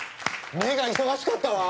目が忙しかったわ！